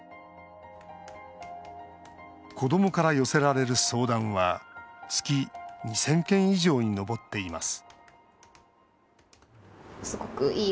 子どもから寄せられる相談は月２０００件以上に上っています